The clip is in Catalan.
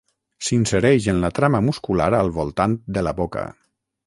S'insereix en la trama muscular al voltant de la boca.